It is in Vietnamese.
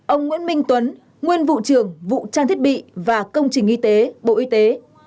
ông nguyễn minh tuấn nguyên vụ trưởng vụ trang thiết bị và công trình y tế bộ y tế